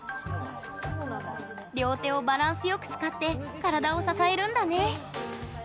両手をバランスよく使って体を支えるんだね。